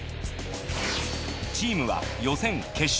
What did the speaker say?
チームは予選決勝